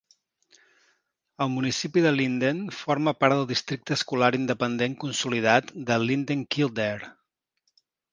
El municipi de Linden forma part del districte escolar independent consolidat de Linden-Kildare.